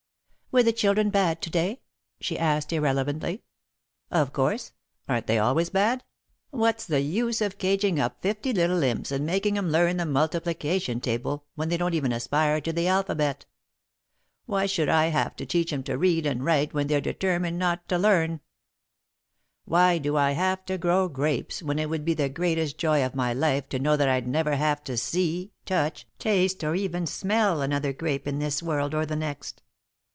"Were the children bad to day?" she asked, irrelevantly. "Of course. Aren't they always bad? What's the use of caging up fifty little imps and making 'em learn the multiplication table when they don't even aspire to the alphabet? Why should I have to teach 'em to read and write when they're determined not to learn? Why do I have to grow grapes when it would be the greatest joy of my life to know that I'd never have to see, touch, taste, or even smell another grape in this world or the next?"